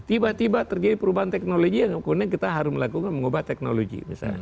tiba tiba terjadi perubahan teknologi yang ukurnya kita harus melakukan mengubah teknologi